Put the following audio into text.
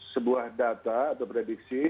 sebuah data atau prediksi